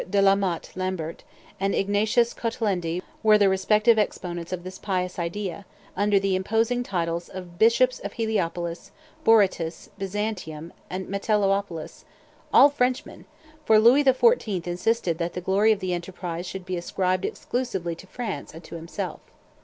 De la Motte Lambert, and Ignatius Cotolendy were the respective exponents of this pious idea, under the imposing titles of Bishops of Heliopolis, Borytus, Byzantium, and Metellopolis, all Frenchmen, for Louis XIV. insisted that the glory of the enterprise should be ascribed exclusively to France and to himself.